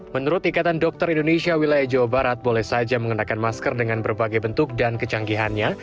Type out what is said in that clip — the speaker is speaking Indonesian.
menurut ikatan dokter indonesia wilayah jawa barat boleh saja mengenakan masker dengan berbagai bentuk dan kecanggihannya